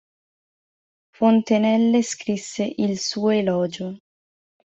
Fontenelle scrisse Il suo elogio.